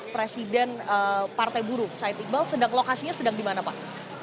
presiden partai buruh said iqbal lokasinya sedang di mana pak